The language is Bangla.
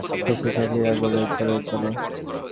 শেষে শশী রাগিয়া বলিল, চল তবে চল।